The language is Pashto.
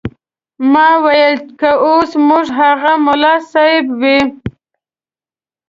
ما ویل که اوس زموږ هغه ملا صیب وي.